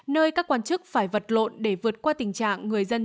nơi các quan chức phải vật lộn để vượt qua tình trạng người dân